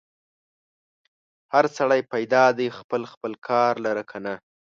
هر سړی پیدا دی خپل خپل کار لره کنه.